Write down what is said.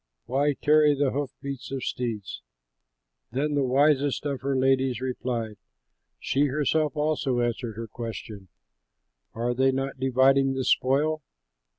Why tarry the hoof beats of steeds?' Then the wisest of her ladies replied, She herself also answered her question, 'Are they not dividing the spoil?